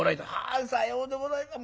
「あさようでございますか。